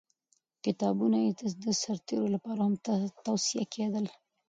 کتابونه یې د سرتېرو لپاره هم توصیه کېدل.